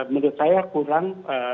menurut saya kurang